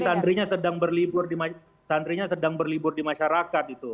santrinya sedang berlibur di masyarakat